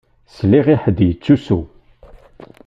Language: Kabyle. Sliɣ i ḥedd yettusu.